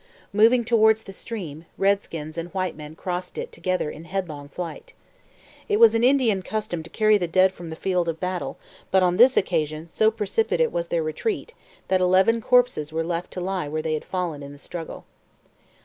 Moving towards the stream, redskins and white men crossed it together in headlong flight. It was an Indian custom to carry the dead from the field of battle, but on this occasion so precipitate was their retreat that eleven corpses were left to lie where they had fallen in the struggle.